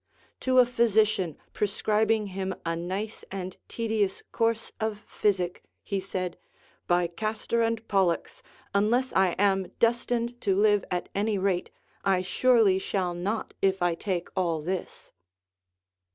To a physician pre scribing him a nice and tedious course of physic, he said, By Castor and Pollux, unless I am destined to live at any rate, I surely shall not if I take all this.